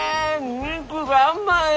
肉が甘い！